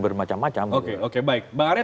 bermacam macam oke baik mbak arya